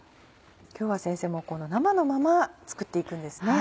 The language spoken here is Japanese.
今日は先生生のまま作って行くんですね。